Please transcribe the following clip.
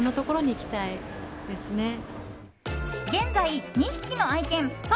現在、２匹の愛犬ぱ